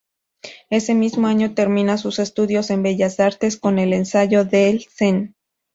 Ese mismo año, termina sus estudios en Bellas Artes con el ensayo El zen.